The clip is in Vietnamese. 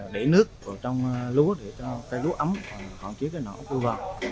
để nước vào trong lúa để cho lúa ấm hoàn chiếc nọ ốc biêu vàng